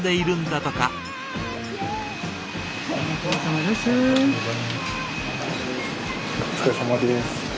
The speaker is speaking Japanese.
お疲れさまです。